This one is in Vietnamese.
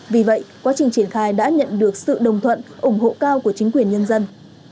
vì vậy quá trình triển khai đã nhận được sự đồng thuận ủng hộ cao của chính quyền nhân dân